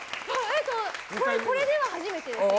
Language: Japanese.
これでは初めてですね。